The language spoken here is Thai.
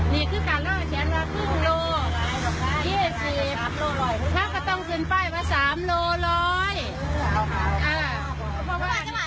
นี่คือการเล่าเขียนว่าครึ่งโลละ๒๐บาท